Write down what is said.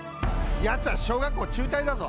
やつは小学校中退だぞ。